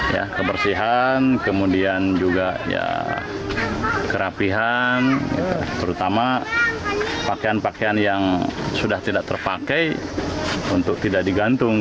ya kebersihan kemudian juga ya kerapihan terutama pakaian pakaian yang sudah tidak terpakai untuk tidak digantung